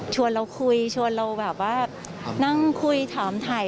ชวนเราคุยชวนเรานั่งคุยถามถ่าย